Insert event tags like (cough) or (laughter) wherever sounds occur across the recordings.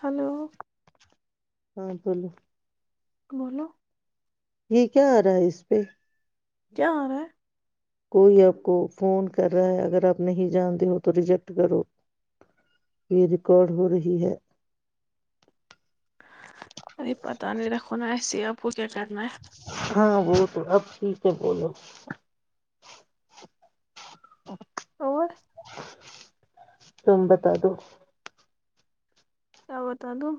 Hello ہاں بولو بولو (unintelligible) یہ کیا آ رہا ہے اس پہ تار ہے (unintelligible) کوئی آپ کو فون کر رہا ہے اگر آپ نہیں جانتے ہو تو ریجیکٹ کرو یہ ریکارڈ ہو رہی ہے ارے پتہ نہیں رکھونا ایسی آب (unintelligible) کیا کر میں ہاں وہ تو اب ٹھیک ہے بولو اور تبت تو (unintelligible) کیا بتا دو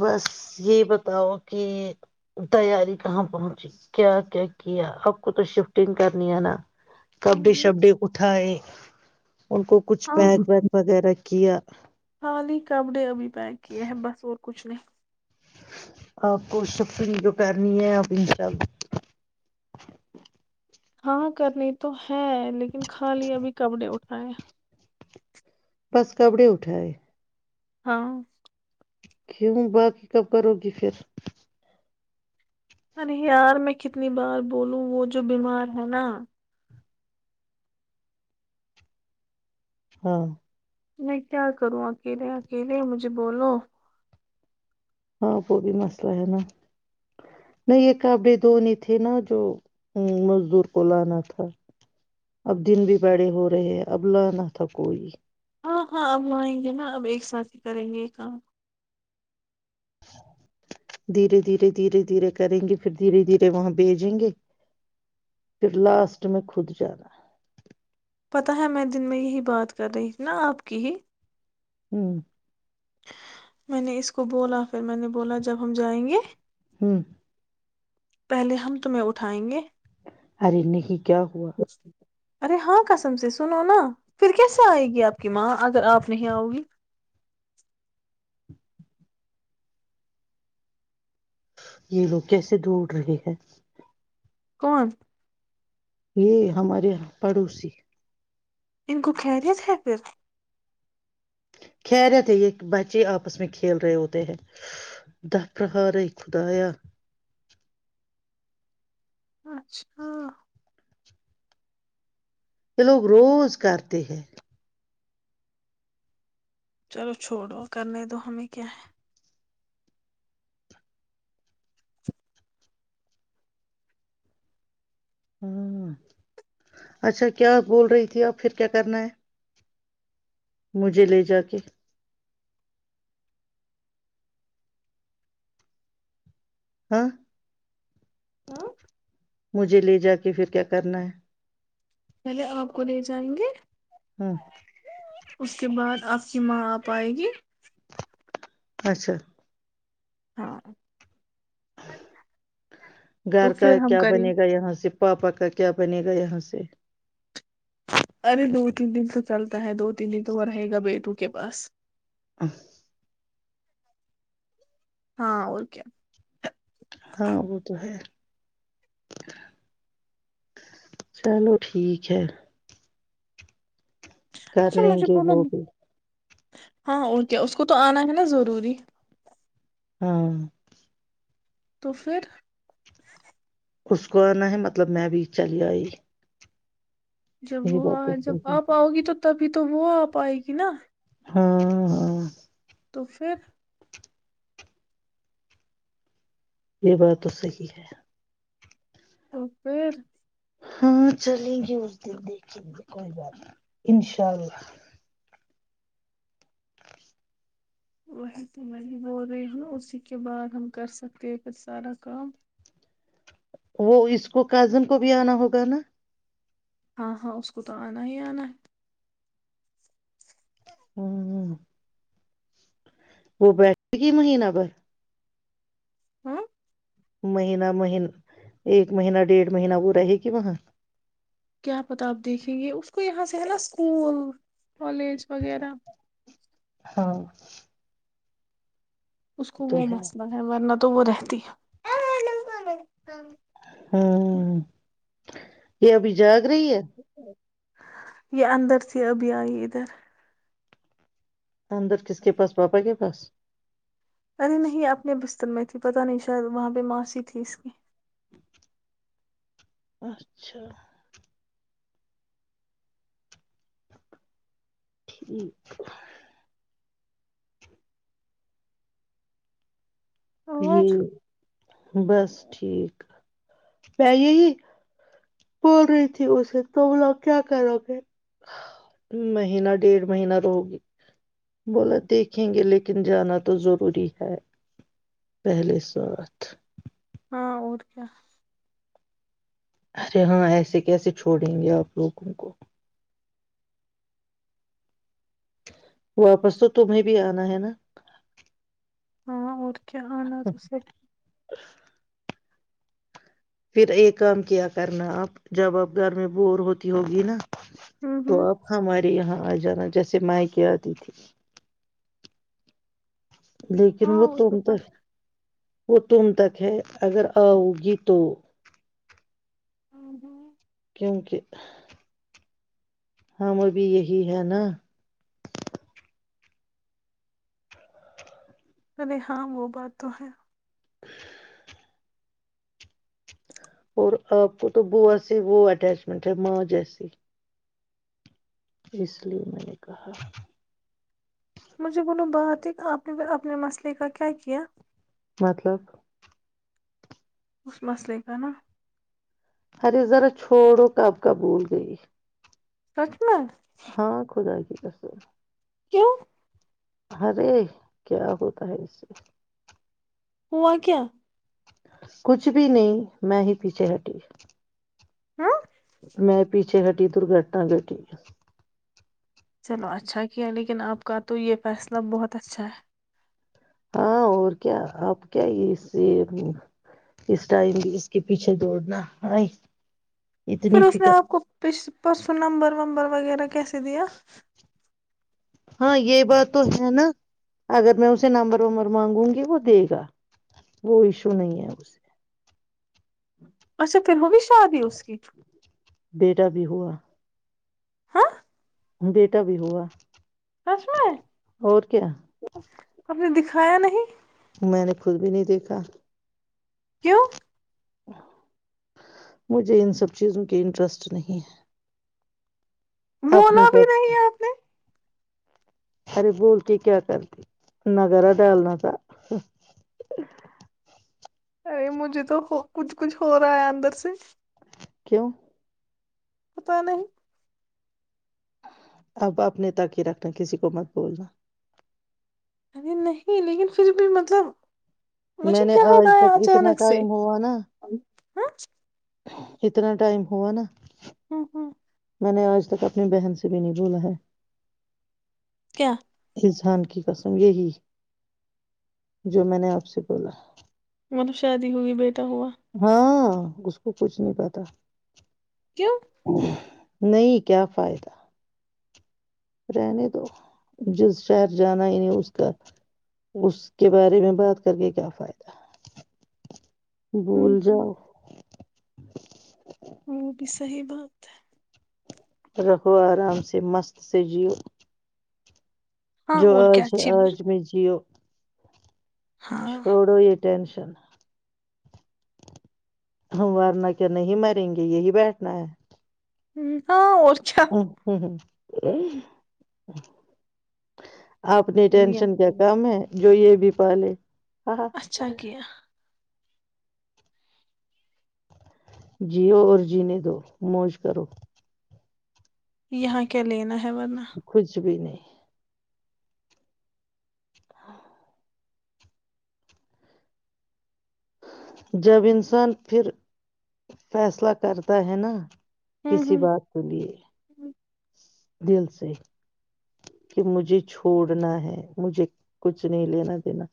بس یہ بتاؤ کہ تیاری کہاں پہنچی کیا کیا کیا آپ کو تو شفٹنگ کرنی ہے نا کپڈے شپڈے اٹھائےائے ان کو کچھ ہاں پیک ویک وغیرہ کیایا (unintelligible) خالی کپڑے ابھی پیک کیے ہیں بس اور کچھ نہیں آپ کو سفرنگ جو کرنی ہے آپ ان شاءلہ ہاں کرنی تو ہے لیکن خالی ابھی کبڑے اٹھاائے بس کپڑے اٹھاائے ہاں کیوں باقی کب کرو گی پھر ارے یار میں کتنی بار بولوں وہ جو بیمار ہے نا ہاں میں تیار کروں اکیلے اکیلے مجھے بولو ہاں وہ بھی مسئلہ ہے نا نہیں یہ کبڑے دنی تھے نا جو مزدور کو لانا تھا اب دن بھی بڑے ہو رہے ہیں اب لانا تھا کوئی ہاں ہاں اب وہئیں گے نا اب ایک ساتھ ہی کریں گے کام دھیرے دھیرے دھیرے دھیرے کریں گے پھر دھیرے دھیرے وہاں بھیجیں گے پھر لاسٹ میں خود جانا پتاہ ہے میں دن میں یہی بات کر رہی نا آپ کی ہی ہوں میں نے اس کو بولا پھر میں نے بولا جب ہم جائیں گے ہوں پہلے ہم تمہیں اٹھائیں گے اری نہیں ہی کیا ہوا ارے ہاں کسم سے سنو نا پھر کیسے آئے گی آپ کی ماں اگر آپ نہیں آؤ گی یہ لوگ کیسے دوڑ رہے ہیں؟ کون یہ ہمارے یہاں پڑوسی ان کو خریت ہے پھر خیرتے یہ بچے آپس میں کھیل رہے ہوتے ہیں د فرہار خدایا اچھا یہ لوگ روز کرتے ہیں چلو چھوڑو کرنے دو ہمیں کیا ہے ہ اچھا کیا بول رہی تھی اب پھر کیا کرنا ہے مجھے لے جا کے ہاں ہوں مجھے لے جا کے پھر کیا کرنا ہے چلے آپ کو لے جائیں گے ہوں اس کے بعد آپ کی ماں آپ آئے گی اچھا ہاں تو گھر کا پھر ہم کیا کریں بنے گے گا یہاں سے پاپا کا کیا بنے گا یہاں سے ارے دو تین دن تو چلتا ہے دو تین دن تو وہ رہے گا بیٹو کے پاس ا ہاں اور کیا ہاں وہ تو ہے چلو ٹھیک ہے کر اچھا لیں مجھے گے بولو وہ بھی ہاں وہ کیا اس کو تو آنا ہے نا ضروری ہاں تو پھر اس کو آنا ہے مطلب میں بھی چلی آئی جب یہ وہ بات تو آ جب صحیح ہے آپ آؤ گی تو تب پھر تو وہ آپ آئے گی نا ہاں ہاں تو پھر یہ بات تو صحی ہے ا پھر ہاں چلیں گے اس دن دیکھیں گے کوئی بات نہیں انشاء اللہ وہی تو میںریب ہو رہی ہوں اسی کے بعد ہم کر سکتے ہیں پھر سارا کام وہ اس کو کازن کو بھی آنا ہوگا نا ہاں ہاں اس کو تو آنا ہی آنا ہے ہوں ہ وہ بیٹھے گ مہینہ پر ہوں مہینہ مہین ایک مہینہ ڈیڑھ مہینہ وہ رہے گی وہاں کیا پتا آپ دیکھیں گے اس کو یہاں سے ہے نا اسکول کالج وغیرہ ہاں اس کو وہ مسئلہ ہے ورنہ تو تو وہ رہتی ہے ہاں یہ ابھی جاگ رہی ہے یہ اندر تھی اب آئی ادھر اندر کس کے پاس پاپا کے پاس ارے نہیں اپنے بستر میں تھی پتہ نہیں شاید وہاں پہ ماشی تھی اس کی اچھا ٹھ ج اور بس ٹھیک پے ہی بول رہی تھی اسے تو بولا کیا کرو پ مہینہ ڈیڑھ مہینہ رہو گی بولا دیکھیں گے لیکن جانا تو ضروری ہے پہلے س بات ہاں اور کیا ارے ہاں ایسے کیسے چھوڑیں گے آپ لوگوں کو واپس تو تمہیں بھی آنا ہے نا ہاں اور کیا انااز اس پھر ایک کام کیا کرنا آپ جب آپ گھر میں بور ہوتی ہوگی نا ہوں تو ہوں اب ہمارے یہاں آ جانا جیسے سے مائکی آتی تھی لیکن وہ تن تو وہ تم تک ہے اگر آؤ گی تو ہ ہوں کیونکہ ہاں م بھی یہی ہے نا ارے ہاں وہ بات تو ہے اور آپ کو تو بو سے وہ اٹیچمنٹ ہے ماں جیسی اس لیے میں نے کہا مجھے بولو بات ہے کہ آپ نے اپنے مسئلے کا کیا کیا مطلب اس مسئلے کا نا ہر ذرا چھوڑو کب کا بھول گئی سکھ میں ہاں خدا کی رس کیوں ارے کیا ہوتا ہے اس سے ہوا کیا کچھ بھی نہیں میں ہی پیچھے ہٹی ہاں میں پیچھے پیچھے ہٹی درگھٹنا گھٹی ہے چلو اچھا کیا لیکن آپ کا تو یہ فیصلہ بہت اچھا ہے ہاں اور کیا آپ کیا اس یہ اس ٹائم بھی اس کے پیچھے دوڑنا ہے پھر اس نے آپ کو پ پرسوں نمبر ومبر وغیرہ کیسے دیا ہاں یہ بات تو ہے نا اگر میں اسے نمبر ومبر مانگوں گی وہ دے گا وہ ایشو نہیں ہے اسے اچھا پھر ہو بھی شاد ہی اس کی بیٹا بھی ہوا ہاں بیٹا بھی ہوا کش میں اور کیا آپ نے دکھایا نہیں میں نے خود بھی نہیں دیکھا کیوں مجھے ان سب چیزوں کے انٹرسٹ نہیں ہے اپنے بولا بھی تک نہیں آپ نے ارے بولتی کیا کرتی نہگارا ڈالنا تھا ارے مجھے تو ہو کچھ کچھ ہو رہا ہے اندر سے کیوں پتا نہیں اب اپنے تاکی رکھنا کسی کو مت بولنا ارے نہیں لیکن پھر بھی مطلب مجھے میں نے یاد آج آیا تک اتنا اچانک سے ٹائم ہوا نا ہ اتنا ٹائم ہوا نا ہ ہوں میں نے آج تک اپنی بہن سے بھی نہیں بھولا ہے کیا رجان کی قسم یہی جو میں نے آپ سے بولا مطلب شادی ہوئی بیٹے ہاں اس کو کچھ نہیں پتا کیوں نہیں کیا فائدہ رہنے تو جس شہر جانا انہیں اس کا اس کے بارے میں بات کر کے کیا فائدہ ہوں بھول ہوں جاؤ وہ بھی صحی بات ہے رہو آرام سے مست سے جیو ہاں جو اور کیا آج اچھی بھی، آج میں جیو ہاں سوڑو ایک ٹینشن ہم ورنا کیا نہیں مریں گے یہی بیٹھنا ہے ہوں ا ہ ہ ا آپنی ٹینشن کیا کام ہے جوئیے بھی پہالے اچھا گ جیو اور جینے دو موج کرو یہاں کیا لینا ہے ورنہ کچھ بھی نہیں ہاں جب انسان پھر فیصلہ کرتا ہے نا ہوں کسی ہوں بات کے لیے دل سے کہ مجھے چھوڑنا ہے مجھے کچھ نہیں لینا دینا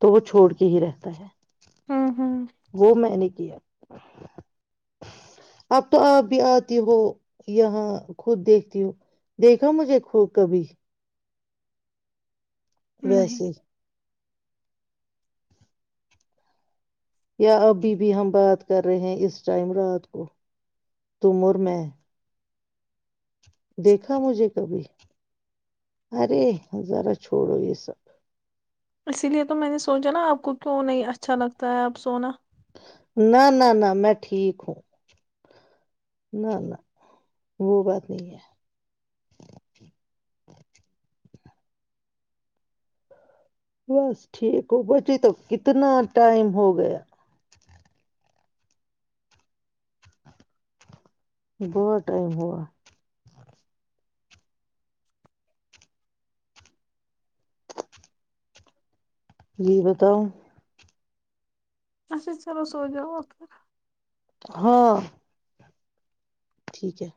تو وہ چھوڑ کے ہی رہتا ہے ہوں ہوں وہ میں نے اب تو آپ بھی آتی ہو یہاں خود دیکھتی ہو دیکھا مجھے خوب کبھی نہیں ویسے ہی کیا ابھی بھی ہم بات کر رہے ہیں اس ٹائم رات کو تم اور میں دیکھا مجھے کبھی ارے ہذارا چھوڑو یہ سب اسی لیے تو میں نے سوچا نا آپ کو کیوں نہیں اچھا لگتا ہے آپ سونا نہ نہ نہ میں ٹھیک ہوں نہ نہ وہ بات نہیں ہے بس ٹھیک ہو بچی تو کتنا ٹائم ہو گیا ب ٹائم ہوا جی بتاؤ اچھا چلو سوچ اتار ہاں ٹھیک ہے